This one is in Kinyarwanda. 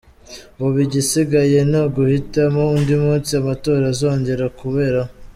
Ubu igisigaye ni uguhitamo undi munsi amatora azongera kuberaho!